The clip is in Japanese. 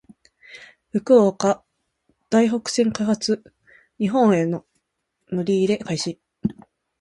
福岡・台北線開設。日本への乗り入れ開始。